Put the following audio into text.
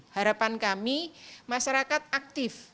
harapan kami masyarakat aktif